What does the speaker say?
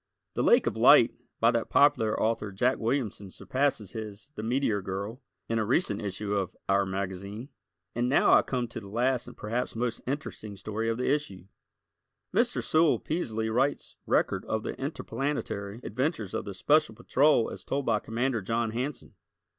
"The Lake of Light" by that popular author Jack Williamson surpasses his "The Meteor Girl" in a recent issue of "our" magazine. And now I come to the last and perhaps most interesting story of the issue: Mr. Sewell Peaslee Wright's record of the interplanetary adventures of the Special Patrol as told by Commander John Hanson.